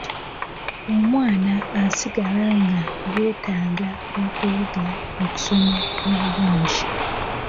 Omwana asigala nga yeetaaga okuyiga okusoma obulungi.